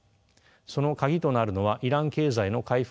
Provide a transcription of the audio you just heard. その鍵となるのはイラン経済の回復具合です。